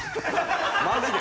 マジで？